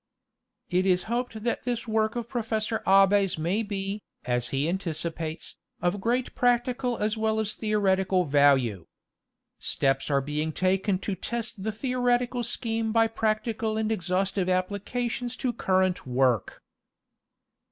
It is hoped that this work of Professor Abbe's may be, as he anticipates, of great practical as well as theoretical value. Steps are being taken to test the theoretical scheme by practical and exhaustive applications to current work.